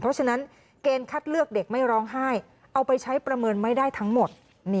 เพราะฉะนั้นเกณฑ์คัดเลือกเด็กไม่ร้องไห้เอาไปใช้ประเมินไม่ได้ทั้งหมด